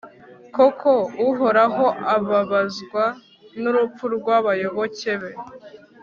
koko uhoraho ababazwa n'urupfu rw'abayoboke be